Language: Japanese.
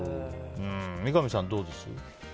三上さん、どうです？